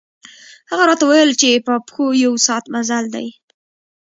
هغه راته ووېل چې په پښو یو ساعت مزل دی.